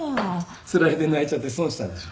つられて泣いちゃって損したでしょ？